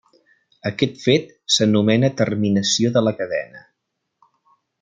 Aquest fet s’anomena terminació de la cadena.